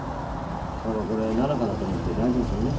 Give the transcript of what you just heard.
パパこれ七香だと思って大事にするね。